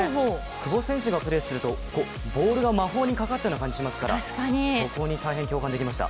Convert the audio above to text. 久保選手がプレーするとボールが魔法にかかったような感じがしますから、そこに大変共感できました。